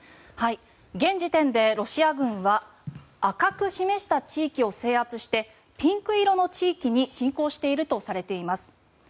現時点でロシア軍は赤く示した地域を制圧してピンク色の地域に侵攻しているとされています。